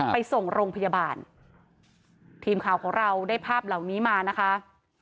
ไปส่งโรงพยาบาลทีมข่าวของเราได้ภาพเหล่านี้มานะคะ